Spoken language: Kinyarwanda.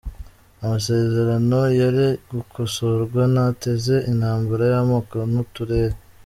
Amasezerano yari gukosorwa ntateze intambara y’amoko n’uturere.